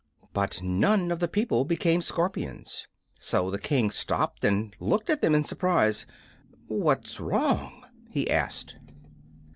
But none of the people became scorpions, so the King stopped and looked at them in surprise. "What's wrong?" he asked.